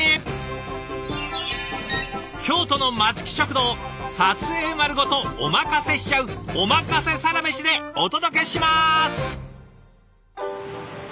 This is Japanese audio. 京都の松木食堂撮影丸ごとおまかせしちゃう「おまかせサラメシ」でお届けします。